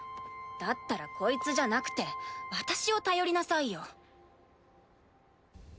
だったらこいつじゃなくて私を頼りなさいよ。